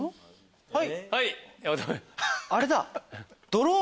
はい！